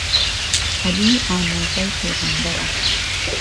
عهلی ئاموزای پێغهمبەره